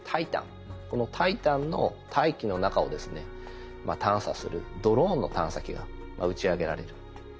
このタイタンの大気の中を探査するドローンの探査機が打ち上げられる。